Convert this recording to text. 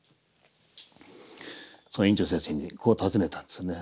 その院長先生にこう尋ねたんですよね。